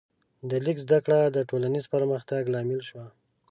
د لیک زده کړه د ټولنیز پرمختګ لامل شوه.